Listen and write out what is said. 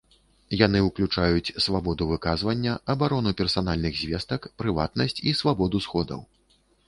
Яны ўключаюць свабоду выказвання, абарону персанальных звестак, прыватнасць і свабоду сходаў.